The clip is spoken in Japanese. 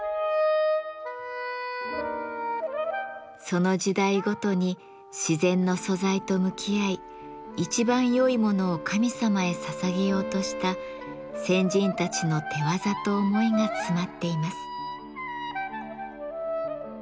その時代ごとに自然の素材と向き合い一番よいものを神様へささげようとした先人たちの手業と思いが詰まっています。